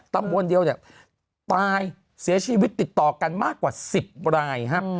ตำบลเดียวเนี่ยตายเสียชีวิตติดต่อกันมากกว่า๑๐รายครับ